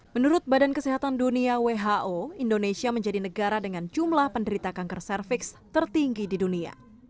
menurut badan kesehatan dunia who indonesia menjadi negara dengan jumlah penderita kanker cervix tertinggi di dunia